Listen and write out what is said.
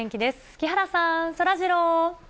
木原さん、そらジロー。